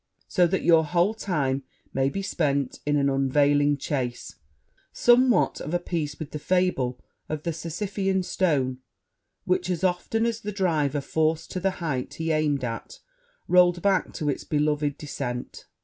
so that your whole time may be spent in an unavailing chase, somewhat of a piece with the fable of the Sisyphæan stone, which, as often as the driver forced to the height he aimed at, rolled back to it's beloved descent.